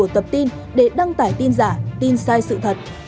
tập tin để đăng tải tin giả tin sai sự thật